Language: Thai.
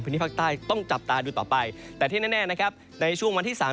ภาคใต้ต้องจับตาดูต่อไปแต่ที่แน่นะครับในช่วงวันที่สาม